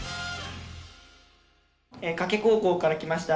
加計高校から来ました